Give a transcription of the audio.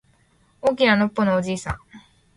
大きなのっぽのおじいさん